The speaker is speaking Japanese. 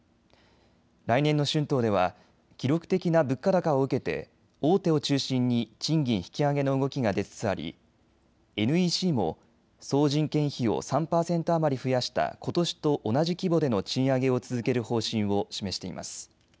来年の春闘では記録的な物価高を受けて大手を中心に賃金引き上げの動きが出つつありＮＥＣも総人件費を３％余り増やしたことしと同じ規模での賃上げを続ける方針を示しています。